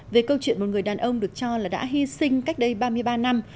về câu chuyện một người đàn ông được cho là đã hy sinh cách đây ba mươi ba năm